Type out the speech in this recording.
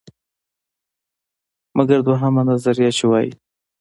مګر دویمه نظریه، چې وایي: